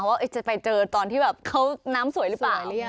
ว่าจะไปเจอตอนที่แบบเขาน้ำสวยหรือเปล่า